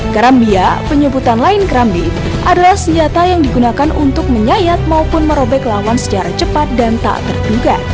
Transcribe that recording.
kerambia penyebutan lain kerambi adalah senjata yang digunakan untuk menyayat maupun merobek lawan secara cepat dan tak terduga